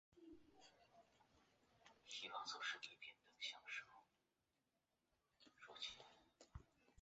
在大小姐的帮助下他的音乐天份提高了。